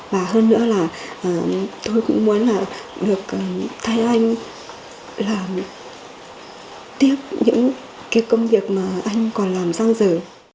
và hơn nữa là tôi cũng muốn được thay anh tiếp những công việc mà anh còn làm sang giờ